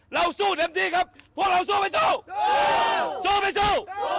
เราสู้เต็มที่ครับพวกเราสู้ไปสู้สู้ไปสู้สู้